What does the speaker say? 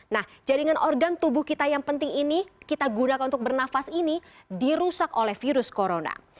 nah jaringan organ tubuh kita yang penting ini kita gunakan untuk bernafas ini dirusak oleh virus corona